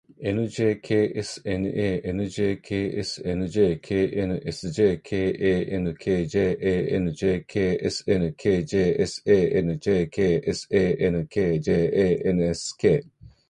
axakjnsjkankjnakjnjksankjanjknsjkankjanjksnkjsanjksankjasnkjsankjaskjsanksjn